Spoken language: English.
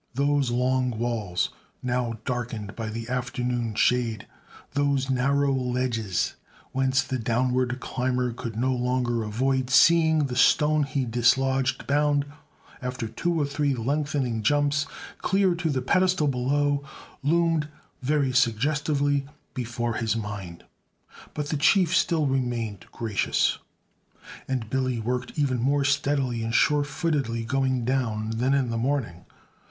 Those long walls, now darkened by the afternoon shade, those narrow ledges whence the downward climber could no longer avoid seeing the stone he dislodged bound, after two or three lengthening jumps, clear to the pedestal below, loomed very suggestively before his mind. But the Chief still remained gracious, and Billy worked even more steadily and sure footedly going down than in the morning.